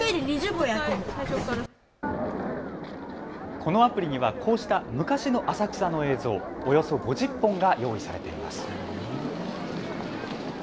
このアプリにはこうした昔の浅草の映像、およそ５０本が用意されています。